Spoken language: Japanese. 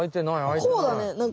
こうだねなんか。